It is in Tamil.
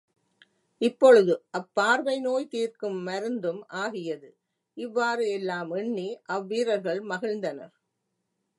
இப்பொழுது அப்பார்வை நோய் தீர்க்கும் மருந்தும் ஆகியது இவ்வாறு எல்லாம் எண்ணி அவ்வீரர்கள் மகிழ்ந்தனர்.